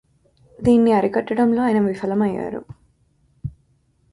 దీన్ని అరికట్టడంలో ఆయన విఫలమయ్యారు